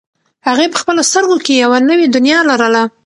هغې په خپلو سترګو کې یوه نوې دنیا لرله.